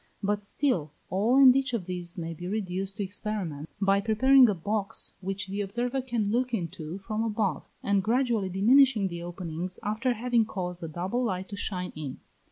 But still, all and each of these may be reduced to experiment by preparing a box which the observer can look into from above, and gradually diminishing the openings after having caused a double light to shine in.